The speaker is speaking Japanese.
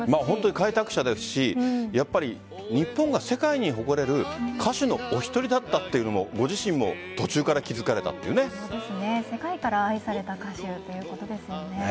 開拓者ですし日本が世界に誇れる歌手のお１人だったというのもご自身も世界から愛された歌手ということですよね。